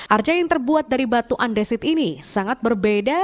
arja yang terbuat dari batu andesit ini sangat berbeda